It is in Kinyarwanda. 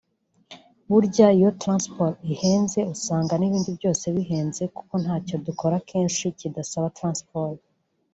“burya iyo trsnsport ihenze usanga n’ibindi byose bihenze kuko ntacyo dukora kenshi kidasaba transport